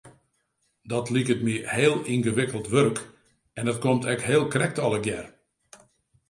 Dat liket my heel yngewikkeld wurk en dat komt ek heel krekt allegear.